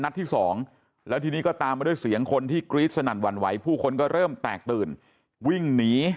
ที่สองแล้วทีนี้ก็ตามมาด้วยเสียงคนที่กรี๊ดสนั่นหวั่นไหวผู้คนก็เริ่มแตกตื่นวิ่งหนี